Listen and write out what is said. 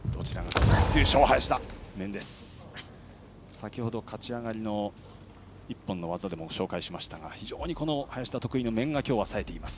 先ほど勝ち上がりの１本の技でも紹介しましたが非常に林田は得意の面が今日はさえています。